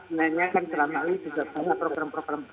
sebenarnya kan selama ini juga banyak program program